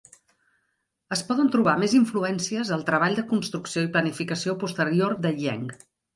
Es poden trobar més influències al treball de construcció i planificació posterior de Yeang.